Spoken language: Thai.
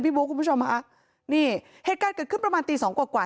บุ๊คคุณผู้ชมค่ะนี่เหตุการณ์เกิดขึ้นประมาณตีสองกว่ากว่า